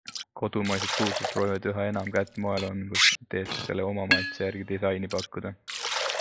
Kodumaised kuulsused proovivad üha enam kätt moeloomingus, et eestlastele oma maitse järgi disaini pakkuda.